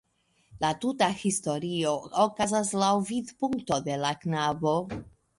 La tuta historio okazas laŭ vidpunkto de la knabo.